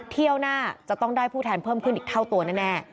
เที่ยวหน้าจะต้องได้ผู้แทนเพิ่มขึ้นอีกเท่าตัวแน่